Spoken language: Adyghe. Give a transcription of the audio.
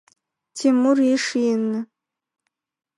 Тимур иш ины.